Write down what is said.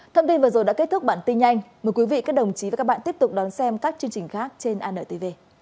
cảm ơn các bạn đã theo dõi và hẹn gặp lại